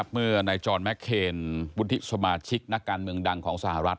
เมื่อนายจรแมคเคนวุฒิสมาชิกนักการเมืองดังของสหรัฐ